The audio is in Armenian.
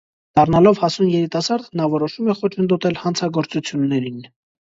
Դառնալով հասուն երիտասարդ, նա որոշում է խոչընդոտել հանցագործություններին։